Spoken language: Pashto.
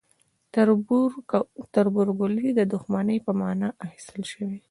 تربورګلوي د دښمنۍ په معنی اخیستل شوی.